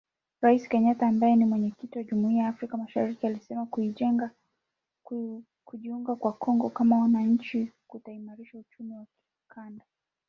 Rais Kenyatta ambaye ni Mwenyekiti wa Jumuiya ya Afrika mashariki alisema kujiunga kwa Kongo kama mwanachama kutaimarisha uchumi wa kikanda.